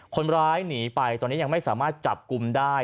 คนร้ายหนีไปตอนนี้ยังไม่สามารถจับกลุ่มได้